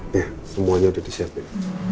ya semuanya udah disiapin